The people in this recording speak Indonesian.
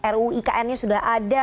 ru ikn nya sudah ada